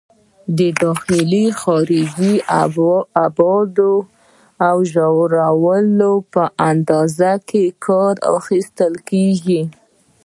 د داخلي، خارجي ابعادو او د ژوروالي په اندازه کولو کې کار اخیستل کېږي.